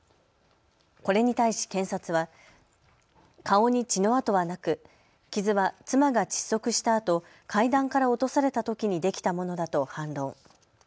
これに対し検察は顔に血の痕はなく、傷は妻が窒息したあと階段から落とされたときにできたものだと反論。